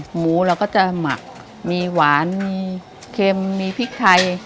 หมูเราก็จะหมักมีหวานมีเค็มมีพริกไทย